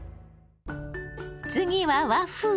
次は和風。